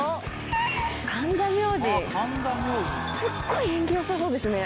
すっごい縁起良さそうですね。